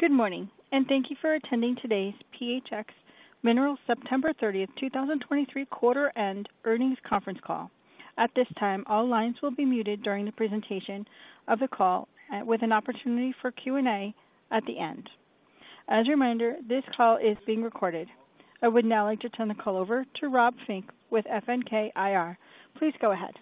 Good morning, and thank you for attending today's PHX Minerals September 30th, 2023 quarter end earnings conference call. At this time, all lines will be muted during the presentation of the call, with an opportunity for Q&A at the end. As a reminder, this call is being recorded. I would now like to turn the call over to Rob Fink with FNK IR. Please go ahead.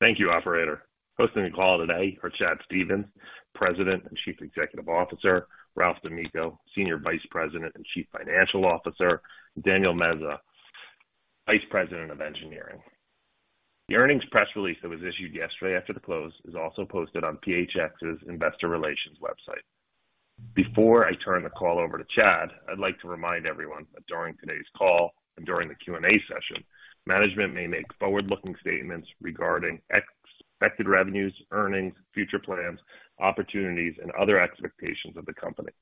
Thank you, operator. Hosting the call today are Chad Stephens, President and Chief Executive Officer, Ralph D'Amico, Senior Vice President and Chief Financial Officer, Danielle Mezo, Vice President of Engineering. The earnings press release that was issued yesterday after the close is also posted on PHX's Investor Relations website. Before I turn the call over to Chad, I'd like to remind everyone that during today's call and during the Q&A session, management may make forward-looking statements regarding expected revenues, earnings, future plans, opportunities, and other expectations of the company.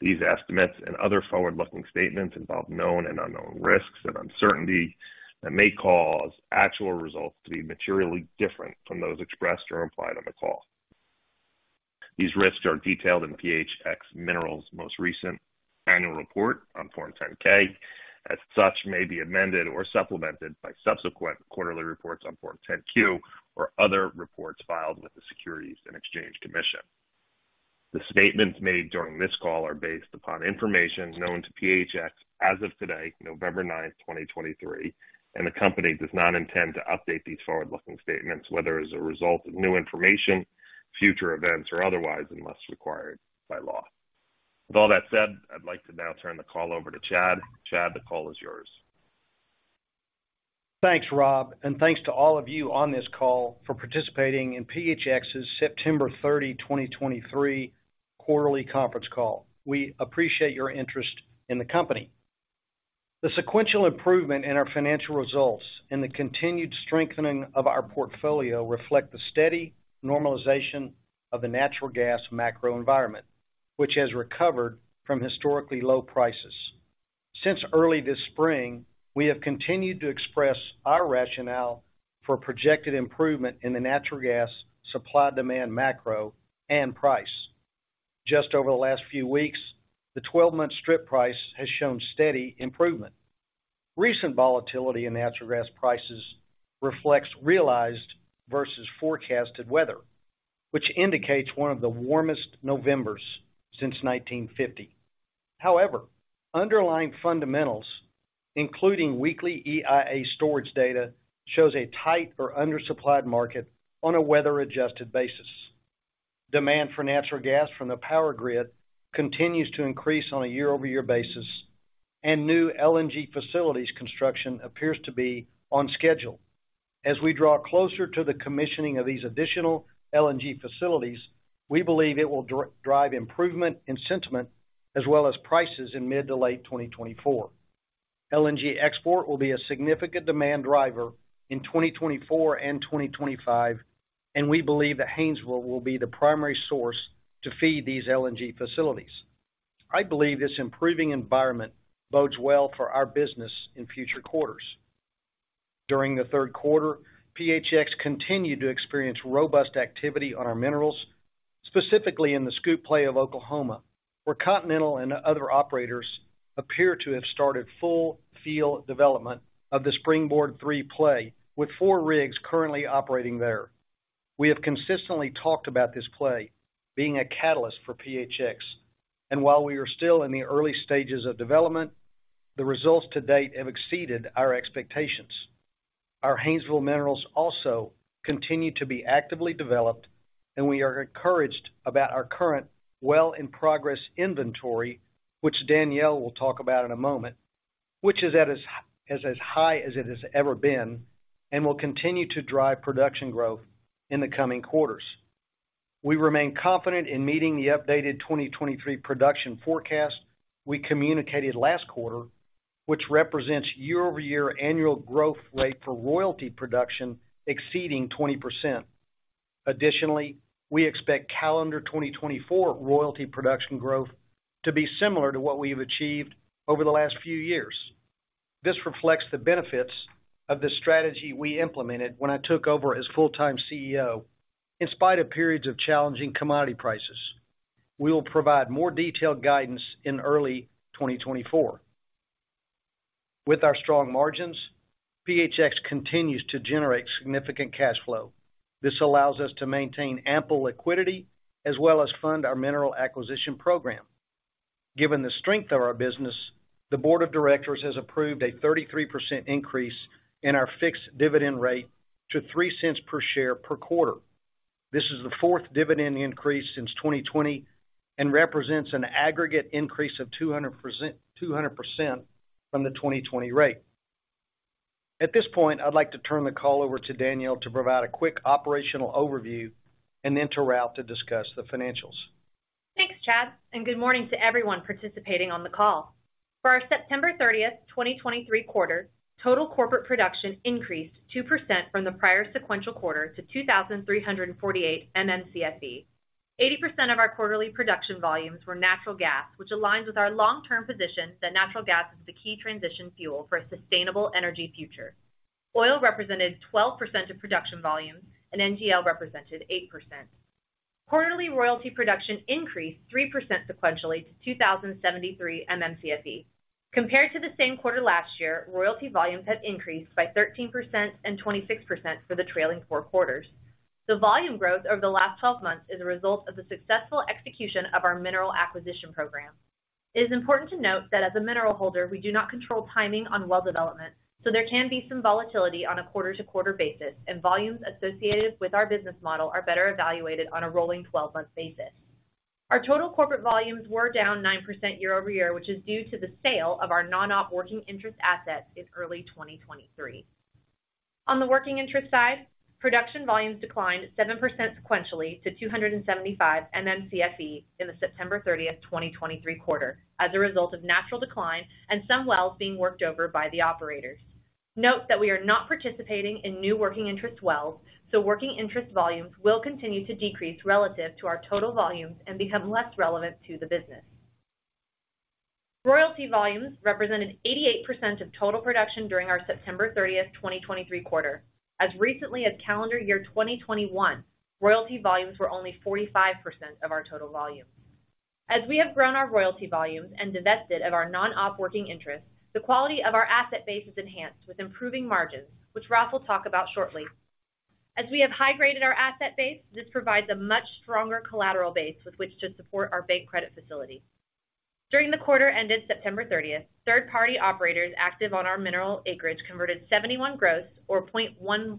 These estimates and other forward-looking statements involve known and unknown risks and uncertainty that may cause actual results to be materially different from those expressed or implied on the call. These risks are detailed in PHX Minerals' most recent annual report on Form 10-K, as such, may be amended or supplemented by subsequent quarterly reports on Form 10-Q or other reports filed with the Securities and Exchange Commission. The statements made during this call are based upon information known to PHX as of today, November 9th, 2023, and the company does not intend to update these forward-looking statements, whether as a result of new information, future events, or otherwise, unless required by law. With all that said, I'd like to now turn the call over to Chad. Chad, the call is yours. Thanks, Rob, and thanks to all of you on this call for participating in PHX's September 30, 2023 quarterly conference call. We appreciate your interest in the company. The sequential improvement in our financial results and the continued strengthening of our portfolio reflect the steady normalization of the natural gas macro environment, which has recovered from historically low prices. Since early this spring, we have continued to express our rationale for projected improvement in the natural gas supply, demand, macro, and price. Just over the last few weeks, the 12-month strip price has shown steady improvement. Recent volatility in natural gas prices reflects realized versus forecasted weather, which indicates one of the warmest Novembers since 1950. However, underlying fundamentals, including weekly EIA storage data, shows a tight or undersupplied market on a weather-adjusted basis. Demand for natural gas from the power grid continues to increase on a year-over-year basis, and new LNG facilities construction appears to be on schedule. As we draw closer to the commissioning of these additional LNG facilities, we believe it will drive improvement in sentiment as well as prices in mid to late 2024. LNG export will be a significant demand driver in 2024 and 2025, and we believe that Haynesville will be the primary source to feed these LNG facilities. I believe this improving environment bodes well for our business in future quarters. During the third quarter, PHX continued to experience robust activity on our minerals, specifically in the SCOOP play of Oklahoma, where Continental and other operators appear to have started full field development of SpringBoard III play, with four rigs currently operating there. We have consistently talked about this play being a catalyst for PHX, and while we are still in the early stages of development, the results to date have exceeded our expectations. Our Haynesville minerals also continue to be actively developed, and we are encouraged about our current well-in-progress inventory, which Danielle will talk about in a moment, which is as high as it has ever been and will continue to drive production growth in the coming quarters. We remain confident in meeting the updated 2023 production forecast we communicated last quarter, which represents year-over-year annual growth rate for royalty production exceeding 20%. Additionally, we expect calendar 2024 royalty production growth to be similar to what we've achieved over the last few years. This reflects the benefits of the strategy we implemented when I took over as full-time CEO, in spite of periods of challenging commodity prices. We will provide more detailed guidance in early 2024. With our strong margins, PHX continues to generate significant cash flow. This allows us to maintain ample liquidity, as well as fund our mineral acquisition program. Given the strength of our business, the board of directors has approved a 33% increase in our fixed dividend rate to $0.03 per share per quarter. This is the fourth dividend increase since 2020 and represents an aggregate increase of 200%, 200% from the 2020 rate. At this point, I'd like to turn the call over to Danielle to provide a quick operational overview and then to Ralph to discuss the financials. Thanks, Chad, and good morning to everyone participating on the call. For our September 30th, 2023 quarter, total corporate production increased 2% from the prior sequential quarter to 2,348 MMCFE. 80% of our quarterly production volumes were natural gas, which aligns with our long-term position that natural gas is the key transition fuel for a sustainable energy future. Oil represented 12% of production volumes and NGL represented 8%. Quarterly royalty production increased 3% sequentially to 2,073 MMCFE. Compared to the same quarter last year, royalty volumes have increased by 13% and 26% for the trailing four quarters. The volume growth over the last 12 months is a result of the successful execution of our mineral acquisition program. It is important to note that as a mineral holder, we do not control timing on well development, so there can be some volatility on a quarter-to-quarter basis, and volumes associated with our business model are better evaluated on a rolling 12-month basis. Our total corporate volumes were down 9% year-over-year, which is due to the sale of our non-op working interest assets in early 2023. On the working interest side, production volumes declined 7% sequentially to 275 MMCFE in the September 30th, 2023 quarter as a result of natural decline and some wells being worked over by the operators. Note that we are not participating in new working interest wells, so working interest volumes will continue to decrease relative to our total volumes and become less relevant to the business. Royalty volumes represented 88% of total production during our September 30th, 2023 quarter. As recently as calendar year 2021, royalty volumes were only 45% of our total volume. As we have grown our royalty volumes and divested of our non-op working interest, the quality of our asset base is enhanced with improving margins, which Ralph will talk about shortly. As we have high-graded our asset base, this provides a much stronger collateral base with which to support our bank credit facility. During the quarter ended September 30th, third-party operators active on our mineral acreage converted 71 gross or 0.155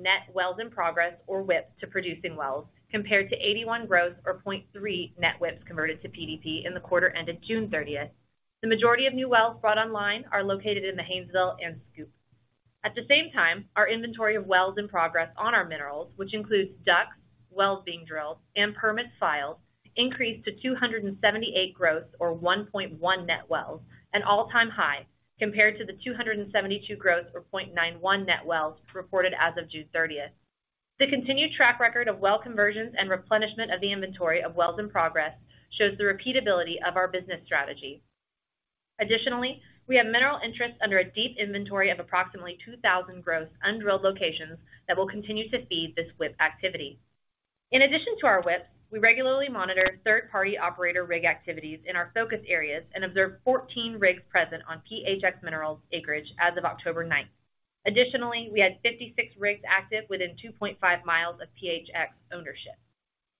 net wells in progress, or WIP, to producing wells, compared to 81 gross or 0.3 net WIPs converted to PDP in the quarter ended June 30. The majority of new wells brought online are located in the Haynesville and SCOOP. At the same time, our inventory of wells in progress on our minerals, which includes DUCs, wells being drilled, and permits filed, increased to 278 gross or 1.1 net wells, an all-time high, compared to the 272 gross or 0.91 net wells reported as of June 30th. The continued track record of well conversions and replenishment of the inventory of wells in progress shows the repeatability of our business strategy. Additionally, we have mineral interests under a deep inventory of approximately 2,000 gross undrilled locations that will continue to feed this WIP activity. In addition to our WIP, we regularly monitor third-party operator rig activities in our focus areas and observed 14 rigs present on PHX Minerals acreage as of October 9th. Additionally, we had 56 rigs active within 2.5 mi of PHX ownership.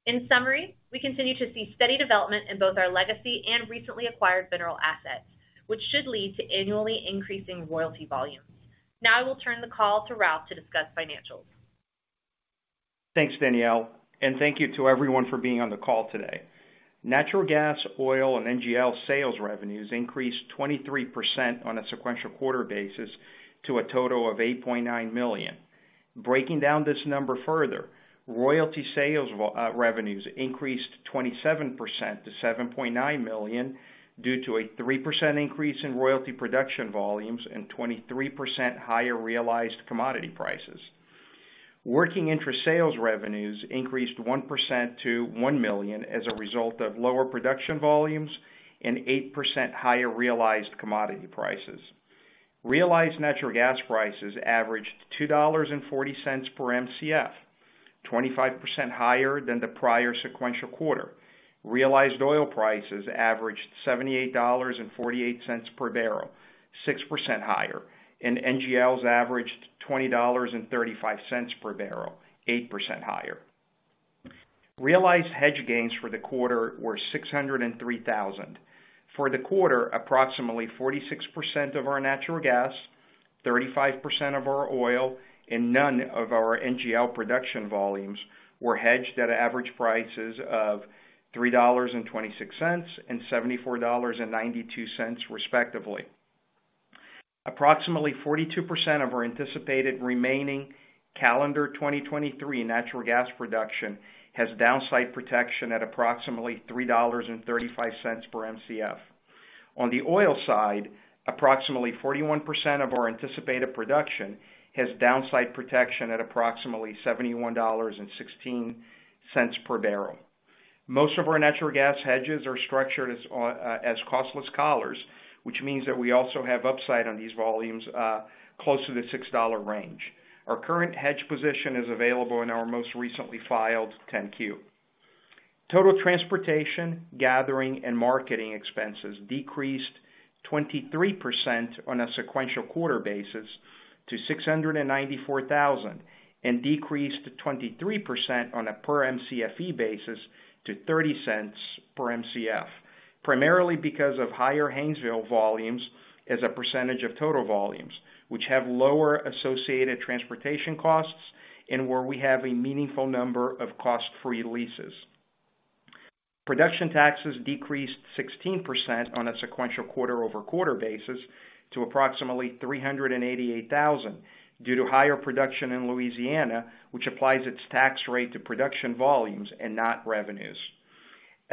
In summary, we continue to see steady development in both our legacy and recently acquired mineral assets, which should lead to annually increasing royalty volumes. Now I will turn the call to Ralph to discuss financials. Thanks, Danielle, and thank you to everyone for being on the call today. Natural gas, oil, and NGL sales revenues increased 23% on a sequential quarter basis to a total of $8.9 million. Breaking down this number further, royalty sales revenues increased 27% to $7.9 million due to a 3% increase in royalty production volumes and 23% higher realized commodity prices. Working interest sales revenues increased 1% to $1 million as a result of lower production volumes and 8% higher realized commodity prices. Realized natural gas prices averaged $2.40 per MCF, 25% higher than the prior sequential quarter. Realized oil prices averaged $78.48 per barrel, 6% higher, and NGLs averaged $20.35 per barrel, 8% higher. Realized hedge gains for the quarter were $603,000. For the quarter, approximately 46% of our natural gas, 35% of our oil, and none of our NGL production volumes were hedged at average prices of $3.26 and $74.92, respectively. Approximately 42% of our anticipated remaining calendar 2023 natural gas production has downside protection at approximately $3.35 per MCF. On the oil side, approximately 41% of our anticipated production has downside protection at approximately $71.16 per barrel. Most of our natural gas hedges are structured as, as costless collars, which means that we also have upside on these volumes, close to the $6 range. Our current hedge position is available in our most recently filed 10-Q. Total transportation, gathering, and marketing expenses decreased 23% on a sequential quarter basis to $694,000, and decreased to 23% on a per MCFE basis to $0.30 per MCF, primarily because of higher Haynesville volumes as a percentage of total volumes, which have lower associated transportation costs and where we have a meaningful number of cost-free leases. Production taxes decreased 16% on a sequential quarter-over-quarter basis to approximately $388,000 due to higher production in Louisiana, which applies its tax rate to production volumes and not revenues.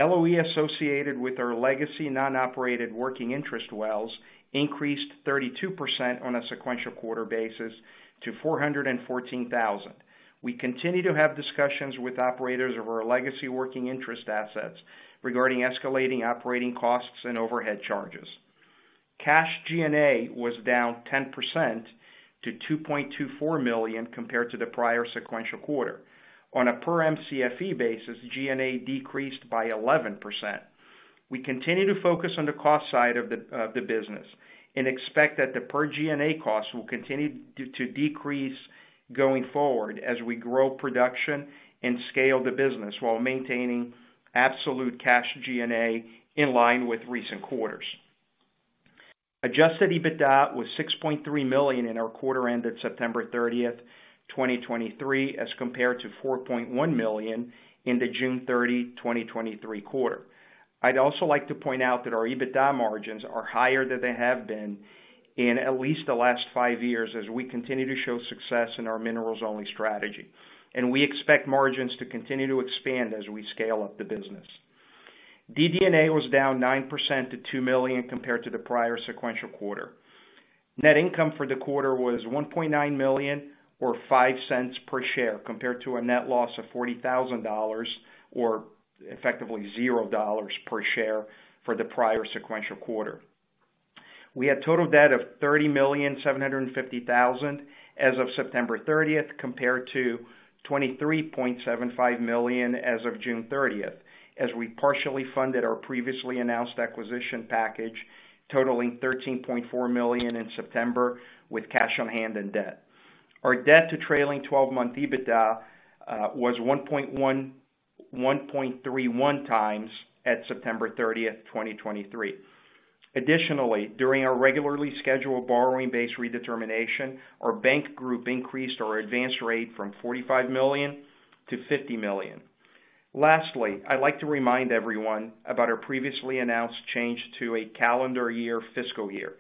LOE associated with our legacy non-operated working interest wells increased 32% on a sequential quarter basis to $414,000. We continue to have discussions with operators of our legacy working interest assets regarding escalating operating costs and overhead charges. Cash G&A was down 10% to $2.24 million compared to the prior sequential quarter. On a per MCFE basis, G&A decreased by 11%. We continue to focus on the cost side of the business and expect that the per G&A cost will continue to decrease going forward as we grow production and scale the business, while maintaining absolute cash G&A in line with recent quarters. Adjusted EBITDA was $6.3 million in our quarter ended September 30th, 2023, as compared to $4.1 million in the June 30, 2023 quarter. I'd also like to point out that our EBITDA margins are higher than they have been in at least the last five years, as we continue to show success in our minerals-only strategy, and we expect margins to continue to expand as we scale up the business. DD&A was down 9% to $2 million compared to the prior sequential quarter. Net income for the quarter was $1.9 million, or $0.05 per share, compared to a net loss of $40,000, or effectively $0 per share, for the prior sequential quarter. We had total debt of $30,750,000 as of September 30th, compared to $23.75 million as of June 30th, as we partially funded our previously announced acquisition package, totaling $13.4 million in September with cash on hand and debt. Our debt to trailing 12-month EBITDA was 1.31x at September 30th, 2023. Additionally, during our regularly scheduled borrowing base redetermination, our bank group increased our advance rate from $45 million to $50 million. Lastly, I'd like to remind everyone about our previously announced change to a calendar year fiscal year.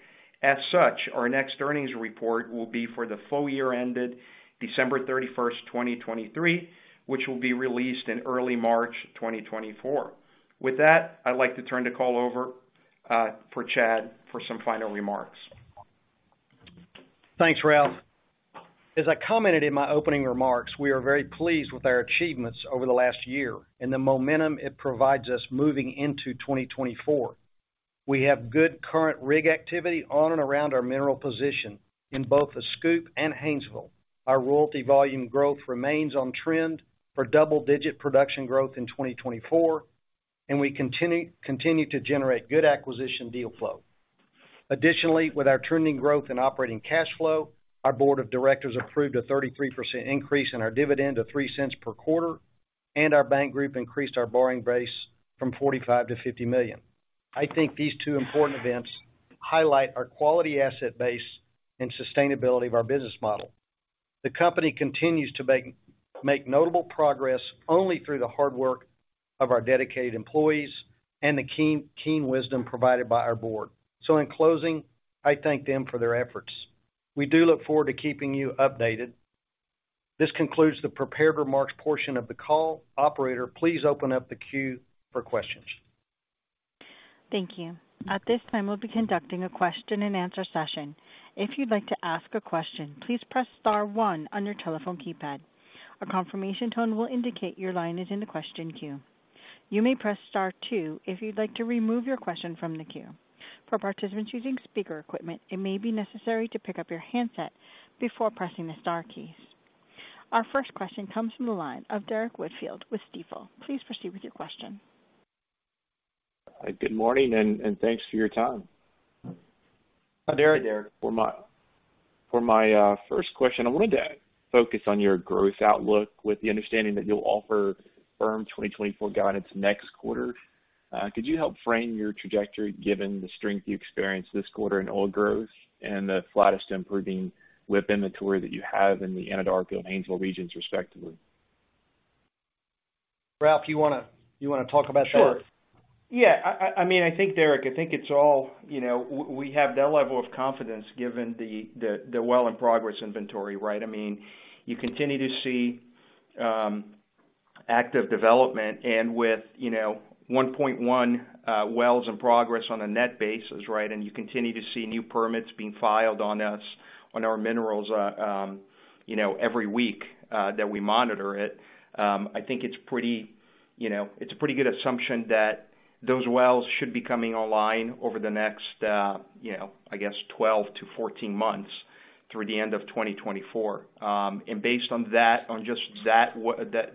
As such, our next earnings report will be for the full year ended December 31st, 2023, which will be released in early March 2024. With that, I'd like to turn the call over for Chad for some final remarks. Thanks, Ralph. As I commented in my opening remarks, we are very pleased with our achievements over the last year and the momentum it provides us moving into 2024. We have good current rig activity on and around our mineral position in both the SCOOP and Haynesville. Our royalty volume growth remains on trend for double-digit production growth in 2024, and we continue to generate good acquisition deal flow. Additionally, with our trending growth in operating cash flow, our board of directors approved a 33% increase in our dividend to $0.03 per quarter, and our bank group increased our borrowing base from $45 million to $50 million. I think these two important events highlight our quality asset base and sustainability of our business model. The company continues to make notable progress only through the hard work of our dedicated employees and the keen wisdom provided by our board. So in closing, I thank them for their efforts. We do look forward to keeping you updated. This concludes the prepared remarks portion of the call. Operator, please open up the queue for questions. Thank you. At this time, we'll be conducting a question-and-answer session. If you'd like to ask a question, please press star one on your telephone keypad. A confirmation tone will indicate your line is in the question queue. You may press star two if you'd like to remove your question from the queue. For participants using speaker equipment, it may be necessary to pick up your handset before pressing the star keys. Our first question comes from the line of Derrick Whitfield with Stifel. Please proceed with your question. Good morning, and thanks for your time. Hi, Derrick. For my first question, I wanted to focus on your growth outlook with the understanding that you'll offer firm 2024 guidance next quarter. Could you help frame your trajectory given the strength you experienced this quarter in oil growth and the flattest improving WIP inventory that you have in the Anadarko and Haynesville regions, respectively? Ralph, you wanna, you wanna talk about that? Sure. Yeah, I mean, I think, Derrick, I think it's all—you know, we have that level of confidence given the wells in progress inventory, right? I mean, you continue to see active development and with, you know, 1.1 wells in progress on a net basis, right? And you continue to see new permits being filed on us, on our minerals, you know, every week that we monitor it. I think it's pretty, you know, it's a pretty good assumption that those wells should be coming online over the next, you know, I guess, 12-14 months, through the end of 2024. And based on that, on just that,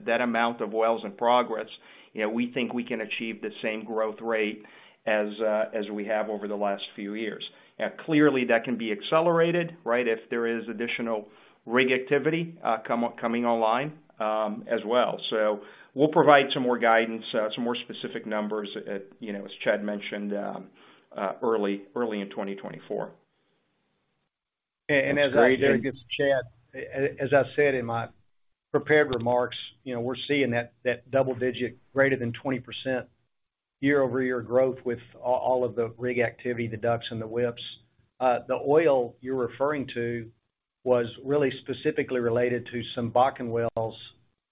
that amount of wells in progress, you know, we think we can achieve the same growth rate as, as we have over the last few years. Clearly, that can be accelerated, right, if there is additional rig activity, coming online, as well. So we'll provide some more guidance, some more specific numbers at, you know, as Chad mentioned, early in 2024. As I said in my prepared remarks, Chad, you know, we're seeing that double-digit greater than 20% year-over-year growth with all of the rig activity, the DUCs and the WIPs. The oil you're referring to was really specifically related to some Bakken wells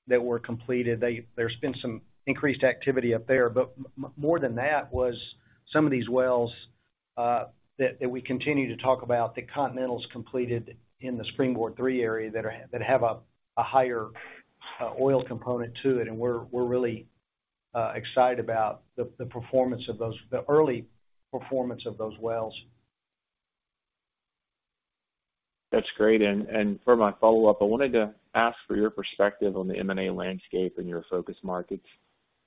that were completed. There's been some increased activity up there, but more than that, some of these wells that we continue to talk about that Continental's completed in SpringBoard III area that have a higher oil component to it, and we're really excited about the performance of those, the early performance of those wells. That's great. And for my follow-up, I wanted to ask for your perspective on the M&A landscape in your focus markets.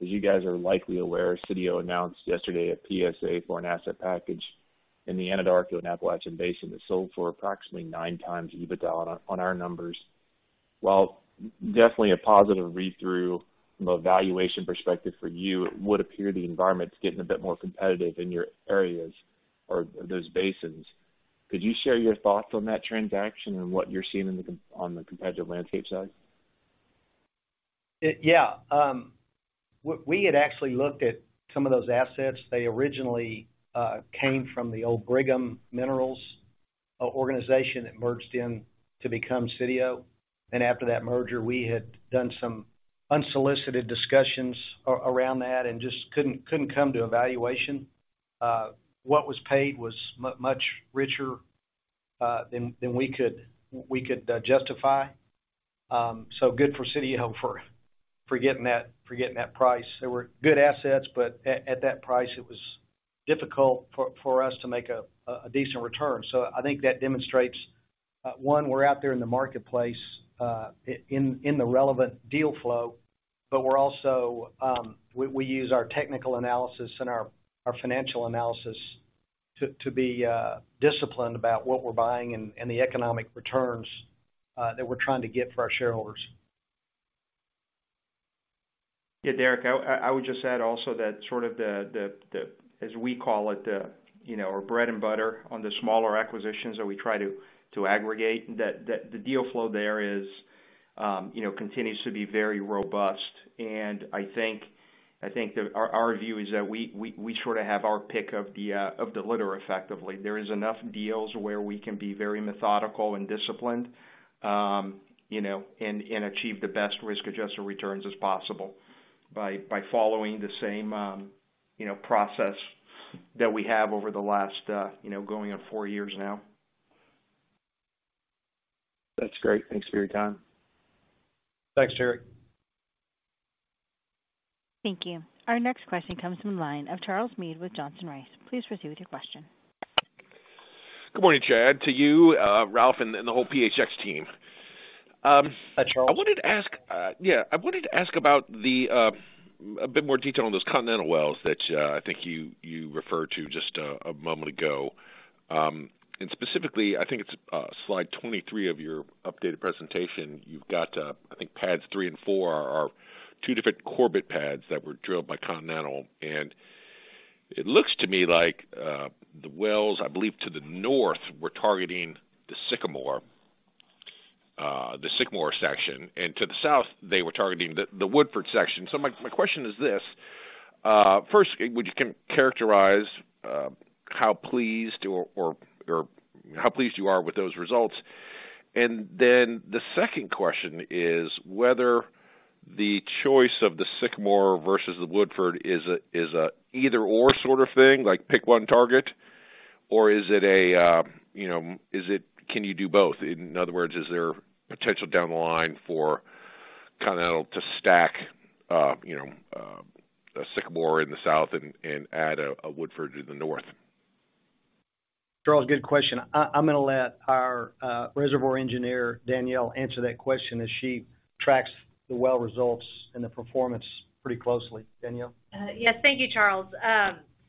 As you guys are likely aware, Sitio announced yesterday a PSA for an asset package in the Anadarko and Appalachian Basin that sold for approximately 9x EBITDA on our numbers. While definitely a positive read-through from a valuation perspective for you, it would appear the environment's getting a bit more competitive in your areas or those basins. Could you share your thoughts on that transaction and what you're seeing on the competitive landscape side? Yeah. We had actually looked at some of those assets. They originally came from the old Brigham Minerals organization that merged in to become Sitio. And after that merger, we had done some unsolicited discussions around that and just couldn't come to a valuation. What was paid was much richer than we could justify. So good for Sitio for getting that price. They were good assets, but at that price, it was difficult for us to make a decent return. So I think that demonstrates one, we're out there in the marketplace in the relevant deal flow, but we're also—we use our technical analysis and our financial analysis to be disciplined about what we're buying and the economic returns that we're trying to get for our shareholders. Yeah, Derrick, I would just add also that sort of the as we call it, you know, our bread and butter on the smaller acquisitions that we try to aggregate, that the deal flow there is, you know, continues to be very robust. And I think that our view is that we sort of have our pick of the litter, effectively. There is enough deals where we can be very methodical and disciplined, you know, and achieve the best risk-adjusted returns as possible by following the same, you know, process that we have over the last, you know, going on four years now. That's great. Thanks for your time. Thanks, Derrick. Thank you. Our next question comes from the line of Charles Meade with Johnson Rice. Please proceed with your question. Good morning, Chad, to you, Ralph, and the whole PHX team. Hi, Charles. I wanted to ask. Yeah, I wanted to ask about a bit more detail on those Continental wells that I think you referred to just a moment ago. And specifically, I think it's slide 23 of your updated presentation. You've got I think pads 3 and 4 are two different Corbett pads that were drilled by Continental. And it looks to me like the wells, I believe, to the north, were targeting the Sycamore section, and to the south, they were targeting the Woodford section. So my question is this: first, would you characterize how pleased or how pleased you are with those results? The second question is whether the choice of the Sycamore versus the Woodford is a either/or sort of thing, like pick one target, or is it a, you know, can you do both? In other words, is there potential down the line for Continental to stack, you know, a Sycamore in the south and add a Woodford in the north? Charles, good question. I'm gonna let our reservoir engineer, Danielle, answer that question, as she tracks the well results and the performance pretty closely. Danielle? Yes. Thank you, Charles.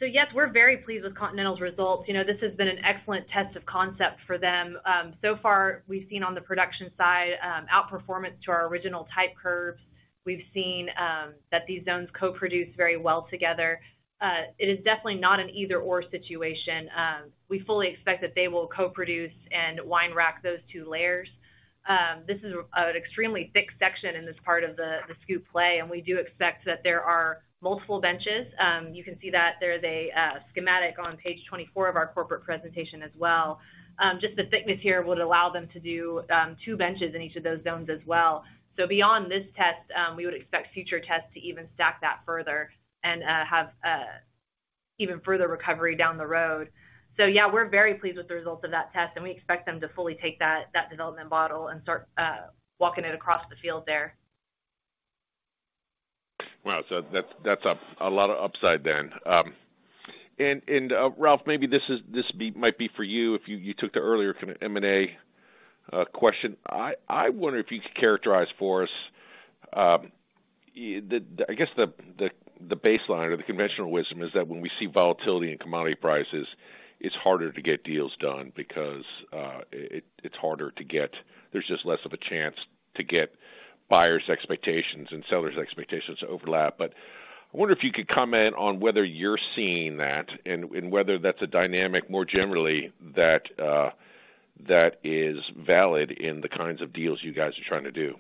So yes, we're very pleased with Continental's results. You know, this has been an excellent test of concept for them. So far, we've seen on the production side, outperformance to our original type curves. We've seen, that these zones co-produce very well together. It is definitely not an either/or situation. We fully expect that they will co-produce and wine rack those two layers. This is an extremely thick section in this part of the SCOOP play, and we do expect that there are multiple benches. You can see that there's a schematic on page 24 of our corporate presentation as well. Just the thickness here would allow them to do two benches in each of those zones as well. So beyond this test, we would expect future tests to even stack that further and have even further recovery down the road. So yeah, we're very pleased with the results of that test, and we expect them to fully take that development model and start walking it across the field there. Wow! So that's a lot of upside then. Ralph, maybe this might be for you, if you took the earlier kinda M&A question. I wonder if you could characterize for us the—I guess the baseline or the conventional wisdom is that when we see volatility in commodity prices, it's harder to get deals done because it's harder to get. There's just less of a chance to get buyers' expectations and sellers' expectations to overlap. But I wonder if you could comment on whether you're seeing that and whether that's a dynamic, more generally, that is valid in the kinds of deals you guys are trying to do.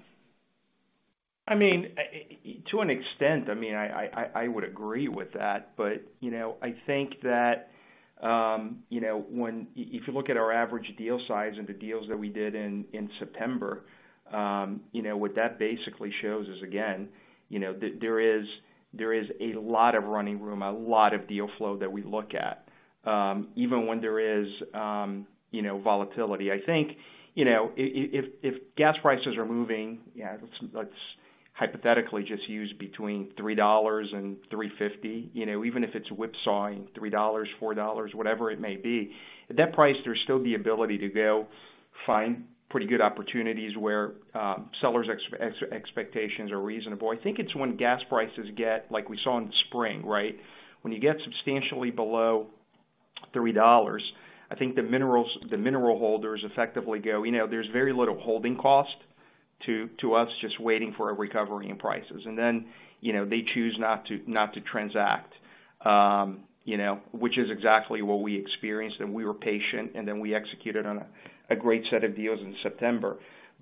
I mean, to an extent, I mean, I would agree with that. But, you know, I think that, you know, if you look at our average deal size and the deals that we did in September, you know, what that basically shows is, again, you know, that there is a lot of running room, a lot of deal flow that we look at, even when there is, you know, volatility. I think, you know, if gas prices are moving, yeah, let's hypothetically just use between $3 and $3.50, you know, even if it's whipsawing, $3, $4, whatever it may be, at that price, there's still the ability to go find pretty good opportunities where sellers expectations are reasonable. I think it's when gas prices get like we saw in the spring, right? When you get substantially below $3, I think the minerals—the mineral holders effectively go, you know, there's very little holding cost to us just waiting for a recovery in prices. And then, you know, they choose not to transact, you know, which is exactly what we experienced, and we were patient, and then we executed on a great set of deals in September.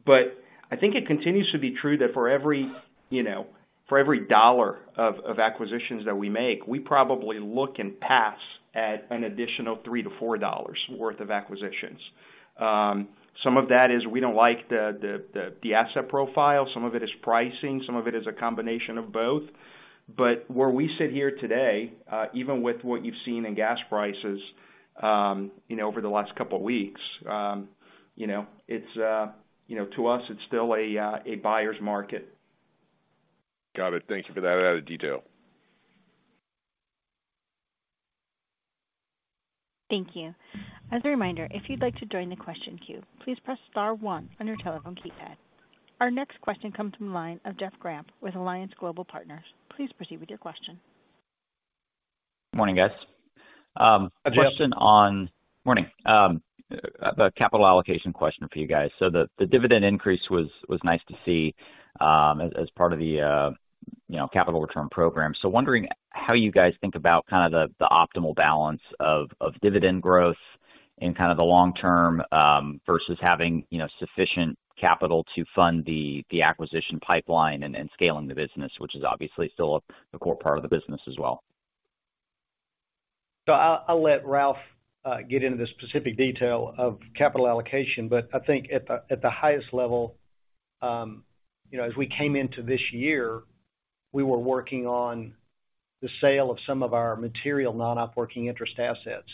But I think it continues to be true that for every, you know, for every dollar of acquisitions that we make, we probably look and pass at an additional $3-$4 worth of acquisitions. Some of that is we don't like the asset profile, some of it is pricing, some of it is a combination of both. But where we sit here today, even with what you've seen in gas prices, you know, over the last couple of weeks, you know, it's, you know, to us, it's still a, a buyer's market. Got it. Thank you for that added detail. Thank you. As a reminder, if you'd like to join the question queue, please press star one on your telephone keypad. Our next question comes from the line of Jeff Grampp with Alliance Global Partners. Please proceed with your question. Morning, guys. Good morning. Morning. A capital allocation question for you guys. So the dividend increase was nice to see, as part of the, you know, capital return program. So wondering how you guys think about kind of the optimal balance of dividend growth in kind of the long term, versus having, you know, sufficient capital to fund the acquisition pipeline and scaling the business, which is obviously still a core part of the business as well. So I'll, I'll let Ralph get into the specific detail of capital allocation, but I think at the highest level, you know, as we came into this year, we were working on the sale of some of our material non-operating interest assets.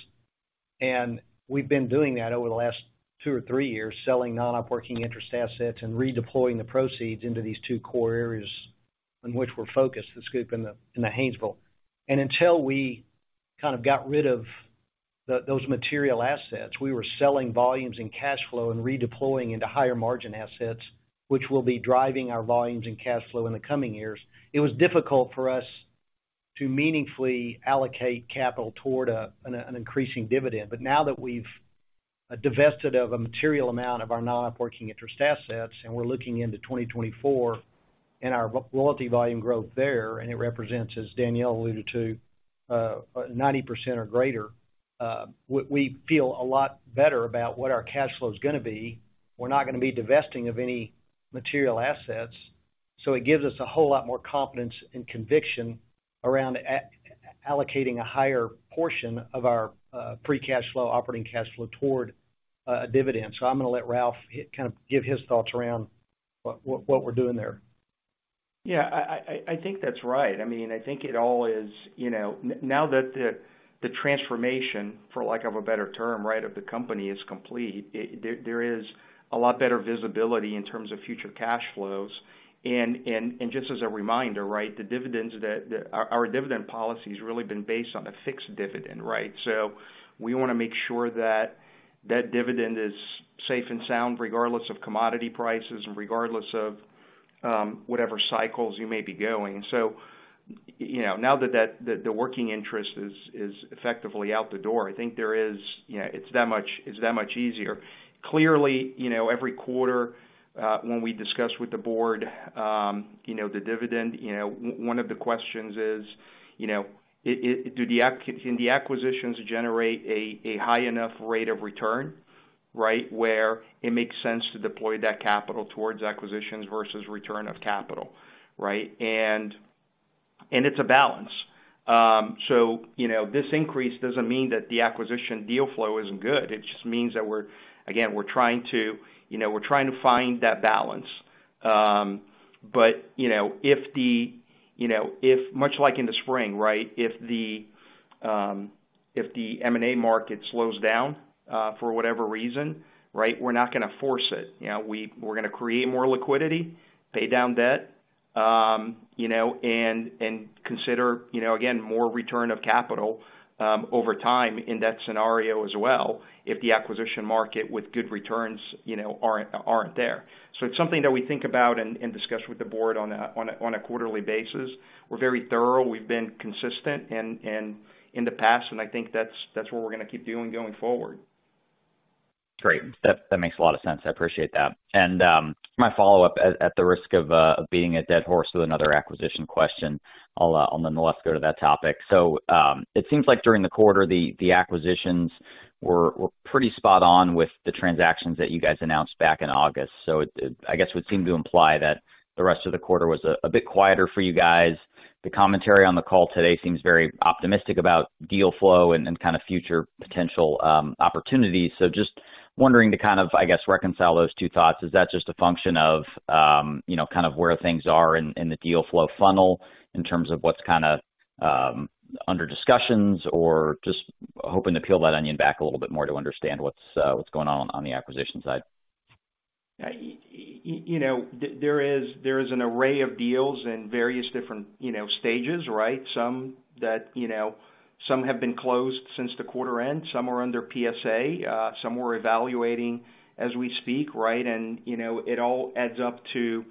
And we've been doing that over the last two or three years, selling non-operating interest assets and redeploying the proceeds into these two core areas on which we're focused, the SCOOP and the Haynesville. And until we kind of got rid of those material assets, we were selling volumes and cash flow and redeploying into higher margin assets, which will be driving our volumes and cash flow in the coming years. It was difficult for us to meaningfully allocate capital toward an increasing dividend. But now that we've divested of a material amount of our non-operating interest assets, and we're looking into 2024 and our royalty volume growth there, and it represents, as Danielle alluded to, 90% or greater, we, we feel a lot better about what our cash flow is gonna be. We're not gonna be divesting of any material assets, so it gives us a whole lot more confidence and conviction around allocating a higher portion of our, pre-cash flow, operating cash flow toward, a dividend. So I'm gonna let Ralph kind of give his thoughts around what we're doing there. Yeah, I think that's right. I mean, I think it all is, you know, now that the transformation, for lack of a better term, right, of the company is complete, there is a lot better visibility in terms of future cash flows. And just as a reminder, right, the dividends that our dividend policy has really been based on a fixed dividend, right? So we wanna make sure that that dividend is safe and sound, regardless of commodity prices and regardless of whatever cycles you may be going. So, you know, now that the working interest is effectively out the door, I think there is. You know, it's that much easier. Clearly, you know, every quarter, when we discuss with the board, you know, the dividend, you know, one of the questions is, you know, do the acquisitions generate a high enough rate of return, right? Where it makes sense to deploy that capital towards acquisitions versus return of capital, right? And it's a balance. So, you know, this increase doesn't mean that the acquisition deal flow isn't good. It just means that we're, again, we're trying to, you know, we're trying to find that balance. But, you know, if much like in the spring, right, if the M&A market slows down, for whatever reason, right, we're not gonna force it. You know, we're gonna create more liquidity, pay down debt, you know, and consider, you know, again, more return of capital, over time in that scenario as well, if the acquisition market with good returns, you know, aren't there. So it's something that we think about and discuss with the board on a quarterly basis. We're very thorough. We've been consistent in the past, and I think that's what we're gonna keep doing going forward. Great. That makes a lot of sense. I appreciate that. And my follow-up, at the risk of beating a dead horse to another acquisition question, I'll nonetheless go to that topic. So it seems like during the quarter, the acquisitions were pretty spot on with the transactions that you guys announced back in August. So it, I guess, would seem to imply that the rest of the quarter was a bit quieter for you guys. The commentary on the call today seems very optimistic about deal flow and kind of future potential opportunities. So just wondering to kind of, I guess, reconcile those two thoughts. Is that just a function of you know, kind of where things are in the deal flow funnel in terms of what's kind of— Under discussions or just hoping to peel that onion back a little bit more to understand what's going on on the acquisition side? Yeah, you know, there is, there is an array of deals in various different, you know, stages, right? Some that, you know, some have been closed since the quarter end, some are under PSA, some we're evaluating as we speak, right? And, you know, it all adds up to,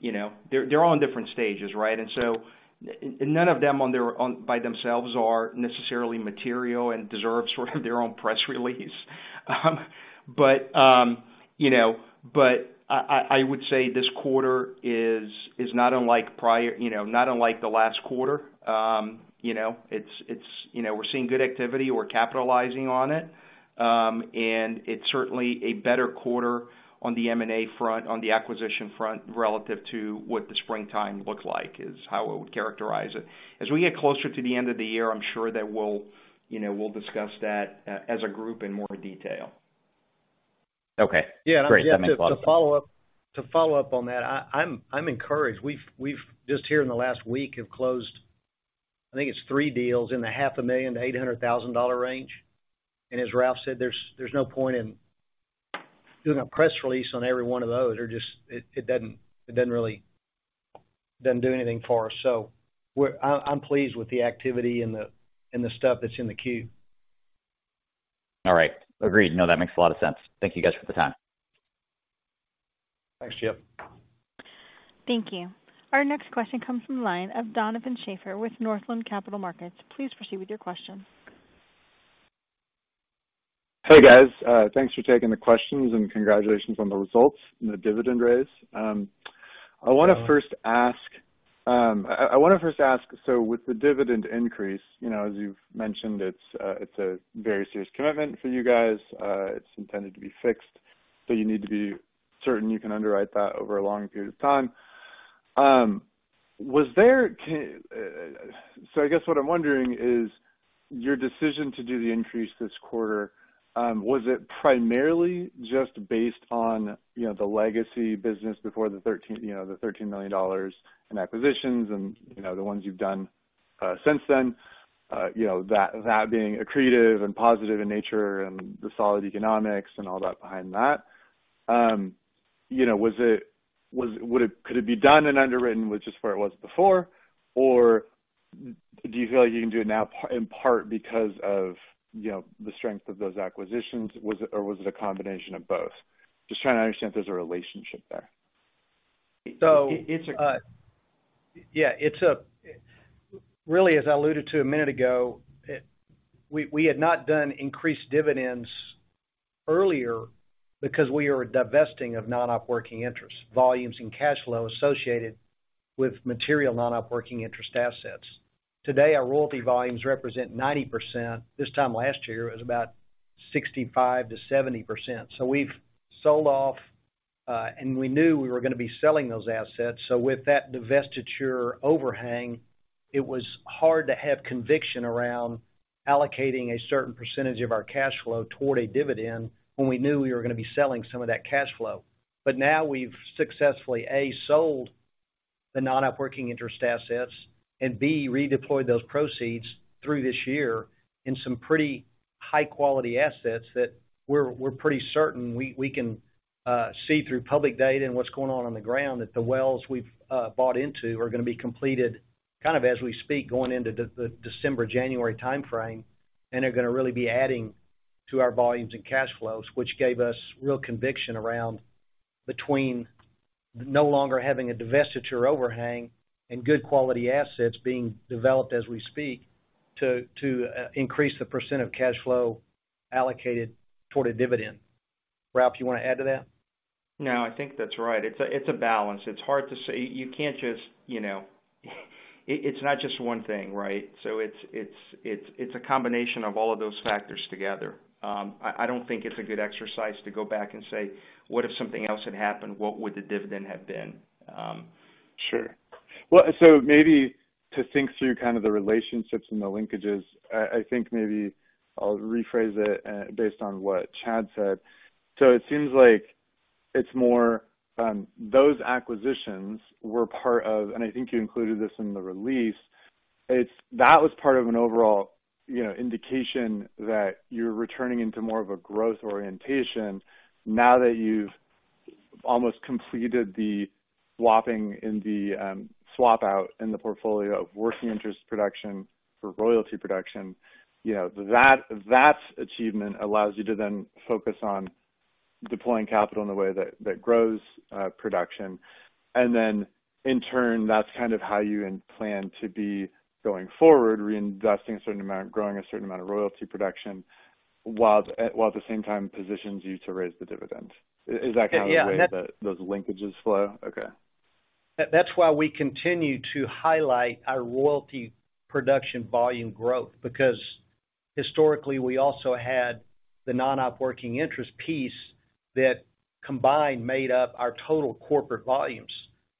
you know, they're, they're all in different stages, right? And so none of them on their own, by themselves are necessarily material and deserve sort of their own press release. But, you know, but I would say this quarter is, is not unlike prior, you know, not unlike the last quarter. You know, it's, it's—you know, we're seeing good activity, we're capitalizing on it. And it's certainly a better quarter on the M&A front, on the acquisition front, relative to what the springtime looked like, is how I would characterize it. As we get closer to the end of the year, I'm sure that we'll, you know, we'll discuss that as a group in more detail. Okay. Yeah, and to follow up— Great, that makes a lot of sense. To follow up on that, I'm encouraged. We've just, in the last week, closed, I think it's three deals in the $500,000-$800,000 range. And as Ralph said, there's no point in doing a press release on every one of those. They're just—it doesn't really do anything for us. So we're—I'm pleased with the activity and the stuff that's in the queue. All right. Agreed. No, that makes a lot of sense. Thank you, guys, for the time. Thanks, Jeff. Thank you. Our next question comes from the line of Donovan Schafer with Northland Capital Markets. Please proceed with your question. Hey, guys, thanks for taking the questions, and congratulations on the results and the dividend raise. I want to first ask, so with the dividend increase, you know, as you've mentioned, it's a very serious commitment for you guys. It's intended to be fixed, so you need to be certain you can underwrite that over a long period of time. So I guess what I'm wondering is, your decision to do the increase this quarter, was it primarily just based on, you know, the legacy business before the $13 million in acquisitions and, you know, the ones you've done since then? You know, that being accretive and positive in nature and the solid economics and all that behind that. You know, was it, would it, could it be done and underwritten with just where it was before? Or do you feel like you can do it now, in part because of, you know, the strength of those acquisitions? Was it, or was it a combination of both? Just trying to understand if there's a relationship there. So, yeah, it's a—really, as I alluded to a minute ago, we, we had not done increased dividends earlier because we were divesting of non-operating interest, volumes and cash flow associated with material non-operating interest assets. Today, our royalty volumes represent 90%. This time last year, it was about 65%-70%. So we've sold off, and we knew we were going to be selling those assets, so with that divestiture overhang, it was hard to have conviction around allocating a certain percentage of our cash flow toward a dividend when we knew we were going to be selling some of that cash flow. But now we've successfully, A, sold the non-operating interest assets, and B, redeployed those proceeds through this year in some pretty high-quality assets that we're pretty certain we can see through public data and what's going on the ground, that the wells we've bought into are going to be completed, kind of as we speak, going into the December-January timeframe, and are going to really be adding to our volumes and cash flows, which gave us real conviction around between no longer having a divestiture overhang and good quality assets being developed, as we speak, to increase the percent of cash flow allocated toward a dividend. Ralph, you want to add to that? No, I think that's right. It's a balance. It's hard to say. You can't just, you know—it's not just one thing, right? So it's a combination of all of those factors together. I don't think it's a good exercise to go back and say: What if something else had happened? What would the dividend have been? Sure. Well, so maybe to think through kind of the relationships and the linkages, I think maybe I'll rephrase it, based on what Chad said. So it seems like it's more, those acquisitions were part of, and I think you included this in the release, that was part of an overall, you know, indication that you're returning into more of a growth orientation now that you've almost completed the swapping in the, swap out in the portfolio of working interest production for royalty production. You know, that, that achievement allows you to then focus on deploying capital in a way that, that grows, production. And then, in turn, that's kind of how you plan to be going forward, reinvesting a certain amount, growing a certain amount of royalty production, while, while at the same time positions you to raise the dividend. Is that how those linkages flow? Yeah. Okay. That's why we continue to highlight our royalty production volume growth, because historically, we also had the non-operating interest piece that combined made up our total corporate volumes.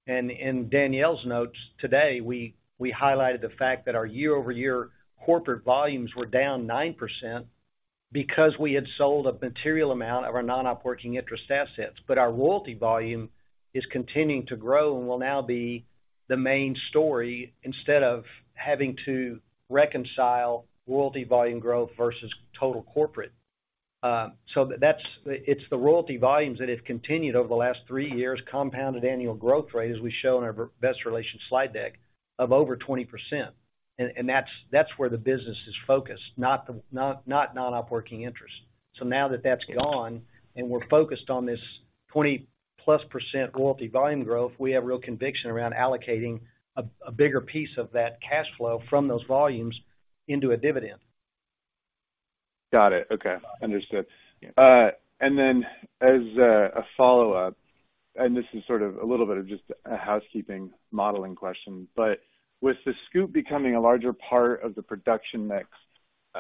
In Danielle's notes today, we highlighted the fact that our year-over-year corporate volumes were down 9% because we had sold a material amount of our non-operating interest assets, but our royalty volume is continuing to grow and will now be the main story instead of having to reconcile royalty volume growth versus total corporate. So that's, it's the royalty volumes that have continued over the last three years, compounded annual growth rate, as we show in our investor relations slide deck, of over 20%. And that's where the business is focused, not non-operating interest. So now that that's gone and we're focused on this 20%+ royalty volume growth, we have real conviction around allocating a bigger piece of that cash flow from those volumes into a dividend. Got it. Okay, understood. And then as a follow-up, and this is sort of a little bit of just a housekeeping modeling question, but with the SCOOP becoming a larger part of the production mix,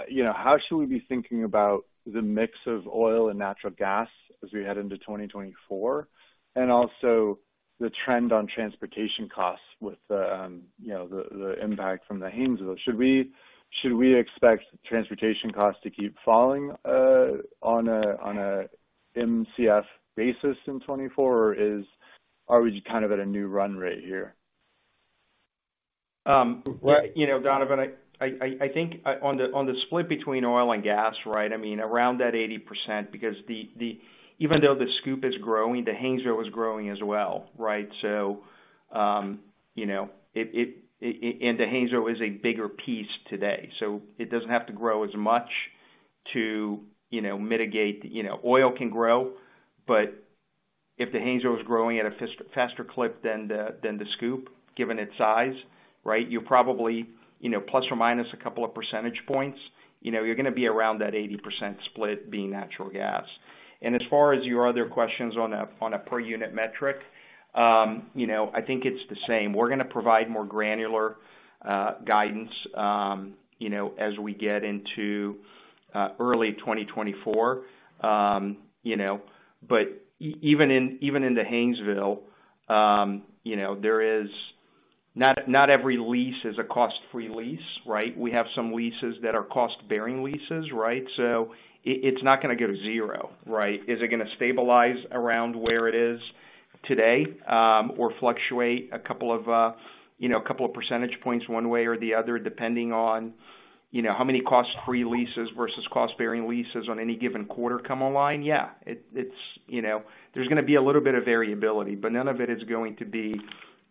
you know, how should we be thinking about the mix of oil and natural gas as we head into 2024? And also the trend on transportation costs with the, you know, the impact from the Haynesville. Should we expect transportation costs to keep falling on a MCF basis in 2024, or is—are we kind of at a new run rate here? Well, you know, Donovan, I think on the split between oil and gas, right, I mean, around that 80%, because even though the SCOOP is growing, the Haynesville is growing as well, right? So, you know, and the Haynesville is a bigger piece today, so it doesn't have to grow as much to mitigate. You know, oil can grow, but if the Haynesville is growing at a faster clip than the SCOOP, given its size, right, you're probably, you know, plus or minus a couple of percentage points, you know, you're gonna be around that 80% split being natural gas. And as far as your other questions on a per unit metric, you know, I think it's the same. We're gonna provide more granular guidance, you know, as we get into early 2024. You know, but even in the Haynesville, you know, not every lease is a cost-free lease, right? We have some leases that are cost-bearing leases, right? So it's not gonna go to zero, right? Is it gonna stabilize around where it is today, or fluctuate a couple of percentage points one way or the other, depending on, you know, how many cost-free leases versus cost-bearing leases on any given quarter come online? Yeah. It's, you know—there's gonna be a little bit of variability, but none of it is going to be,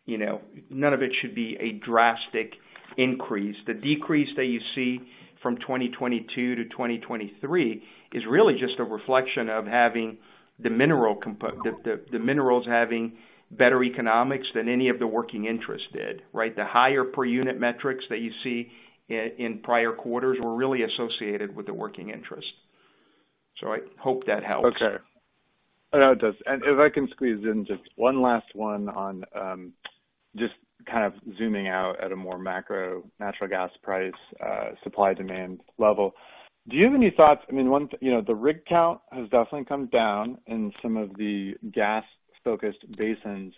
you know, none of it should be a drastic increase. The decrease that you see from 2022 to 2023 is really just a reflection of having the minerals having better economics than any of the working interest did, right? The higher per unit metrics that you see in prior quarters were really associated with the working interest. So I hope that helps. Okay. No, it does. And if I can squeeze in just one last one on, just kind of zooming out at a more macro natural gas price, supply-demand level. Do you have any thoughts? I mean, one, you know, the rig count has definitely come down in some of the gas-focused basins,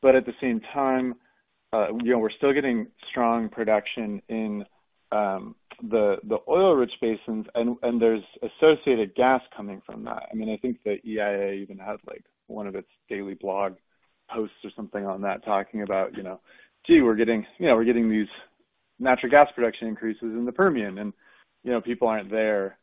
but at the same time, you know, we're still getting strong production in, the oil-rich basins, and there's associated gas coming from that. I mean, I think the EIA even had, like, one of its daily blog posts or something on that, talking about, you know, gee, we're getting, you know, we're getting these natural gas production increases in the Permian and, you know, people aren't there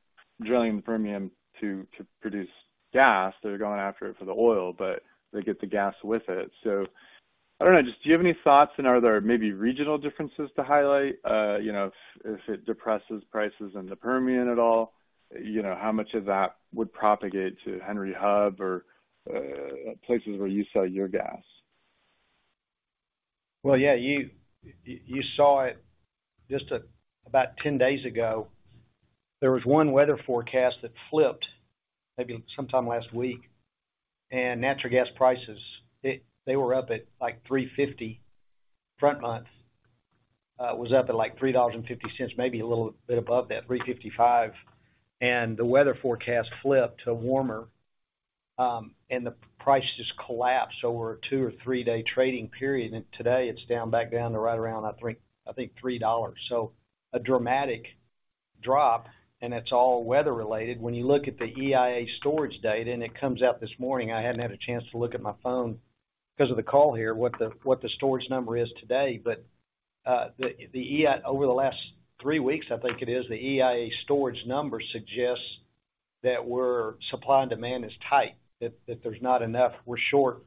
drilling in the Permian to produce gas. They're going after it for the oil, but they get the gas with it. I don't know, just do you have any thoughts, and are there maybe regional differences to highlight? You know, if it depresses prices in the Permian at all, you know, how much of that would propagate to Henry Hub or places where you sell your gas? Well, yeah, you saw it just about 10 days ago. There was one weather forecast that flipped maybe sometime last week, and natural gas prices, they were up at, like, $3.50 front month. It was up at, like, $3.50, maybe a little bit above that, $3.55. And the weather forecast flipped to warmer, and the price just collapsed over a two- or three-day trading period. And today it's down, back down to right around, I think, $3. So a dramatic drop, and it's all weather-related. When you look at the EIA storage data, and it comes out this morning, I hadn't had a chance to look at my phone because of the call here, what the storage number is today. But the EIA storage numbers suggest that we're supply and demand is tight, that there's not enough. We're short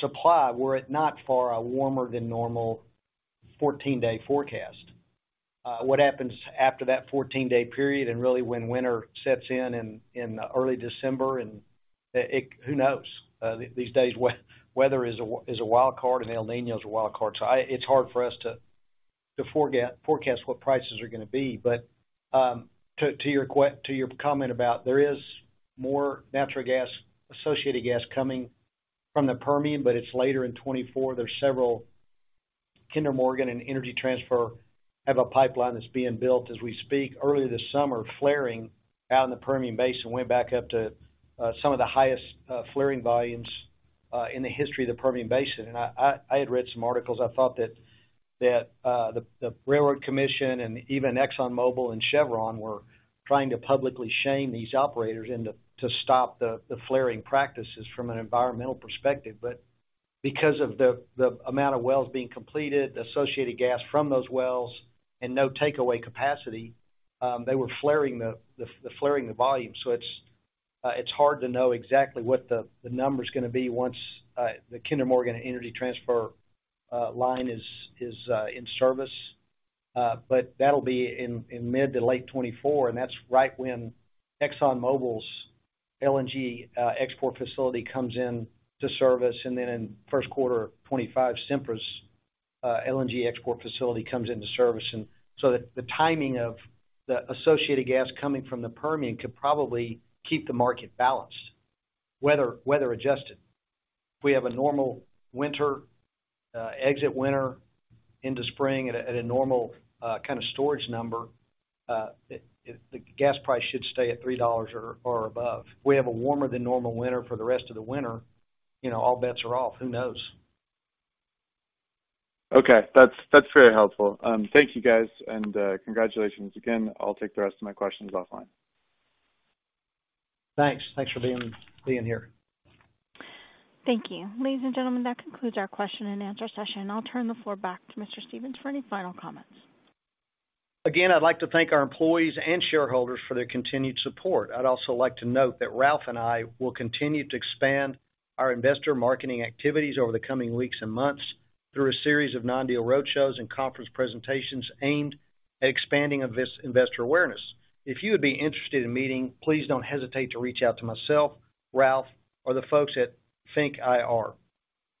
supply were it not for a warmer than normal 14-day forecast. What happens after that 14-day period and really when winter sets in in early December and it—who knows? These days, weather is a wild card and El Niño is a wild card. So it's hard for us to forecast what prices are gonna be. But to your comment about there is more natural gas, associated gas coming from the Permian, but it's later in 2024. There's several—Kinder Morgan and Energy Transfer have a pipeline that's being built as we speak. Earlier this summer, flaring out in the Permian Basin went back up to some of the highest flaring volumes in the history of the Permian Basin. And I had read some articles. I thought that the Railroad Commission and even ExxonMobil and Chevron were trying to publicly shame these operators into to stop the flaring practices from an environmental perspective. But because of the amount of wells being completed, the associated gas from those wells, and no takeaway capacity, they were flaring the volume. So it's hard to know exactly what the number's gonna be once the Kinder Morgan-Energy Transfer line is in service. But that'll be in mid to late 2024, and that's right when ExxonMobil's LNG export facility comes into service, and then in first quarter of 2025, Sempra's LNG export facility comes into service. And so the timing of the associated gas coming from the Permian could probably keep the market balanced, weather adjusted. If we have a normal winter, exit winter into spring at a normal kind of storage number, the gas price should stay at $3 or above. If we have a warmer than normal winter for the rest of the winter, you know, all bets are off. Who knows? Okay, that's, that's very helpful. Thank you, guys, and, congratulations again. I'll take the rest of my questions offline. Thanks. Thanks for being here. Thank you. Ladies and gentlemen, that concludes our question-and-answer session, and I'll turn the floor back to Mr. Stephens for any final comments. Again, I'd like to thank our employees and shareholders for their continued support. I'd also like to note that Ralph and I will continue to expand our investor marketing activities over the coming weeks and months through a series of non-deal roadshows and conference presentations aimed at expanding of this investor awareness. If you would be interested in meeting, please don't hesitate to reach out to myself, Ralph, or the folks at FNK IR.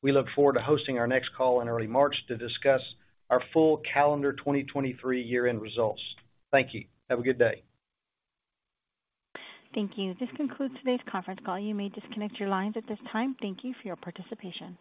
We look forward to hosting our next call in early March to discuss our full calendar 2023 year-end results. Thank you. Have a good day. Thank you. This concludes today's conference call. You may disconnect your lines at this time. Thank you for your participation.